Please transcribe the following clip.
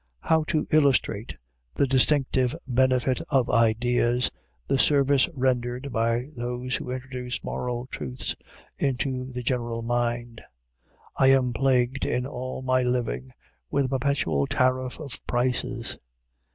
How to illustrate the distinctive benefit of ideas, the service rendered by those who introduce moral truths into the general mind? I am plagued, in all my living, with a perpetual tariff of prices.